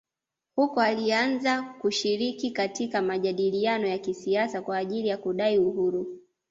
Huko alianza kushiriki katika majadiliano ya kisiasa kwa ajili ya kudai uhuru